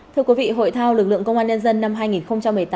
thưa quý vị hội thao lực lượng công an nhân dân năm hai nghìn một mươi tám